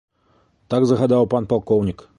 Так загадаў пан палкоўнік.